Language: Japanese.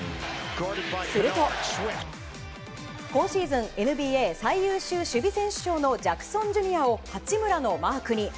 すると、今シーズンＮＢＡ最優秀守備選手のジャクソンＪｒ．を八村のマークに。